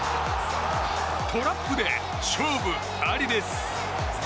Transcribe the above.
トラップで勝負ありです。